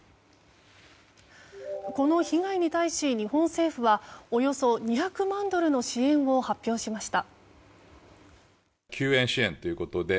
この被害に対し、日本政府はおよそ２００万ドルの支援を発表しました。